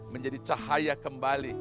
menjadi cahaya kembali